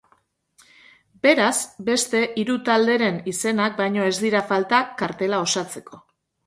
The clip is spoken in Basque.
Beraz, beste hiru talderen izenak baino ez dira falta kartela osatzeko.